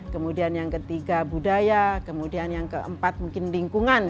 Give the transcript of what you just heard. kemudian yang ketiga budaya kemudian yang keempat mungkin lingkungan